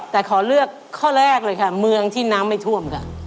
แต่ขอเลือกข้อแรกเลยค่ะเมืองที่น้ำไม่ท่วมค่ะ